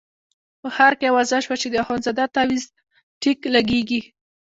په ښار کې اوازه شوه چې د اخندزاده تاویز ټیک لګېږي.